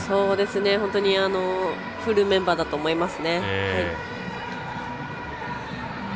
本当にフルメンバーだと思います。